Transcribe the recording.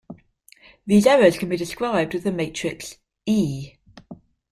These errors can be described with the matrix "E".